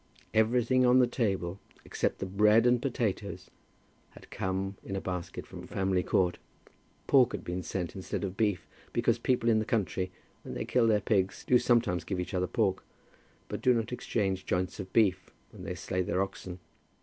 Everything on the table, except the bread and potatoes, had come in a basket from Framley Court. Pork had been sent instead of beef, because people in the country, when they kill their pigs, do sometimes give each other pork, but do not exchange joints of beef, when they slay their oxen.